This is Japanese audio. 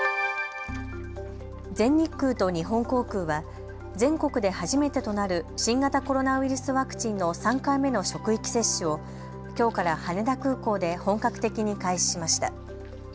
全日空と日本航空は全国で初めてとなる新型コロナウイルスワクチンの３回目の職域接種をきょうから羽田空港で本格的に開始しました。